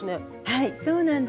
はいそうなんです。